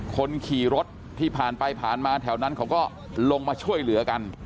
คนขี่รถที่ผ่านไปผ่านมาแถวนั้นเขาก็ลงมาช่วยเหลือกัน